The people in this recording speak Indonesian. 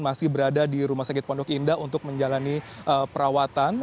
masih berada di rumah sakit pondok indah untuk menjalani perawatan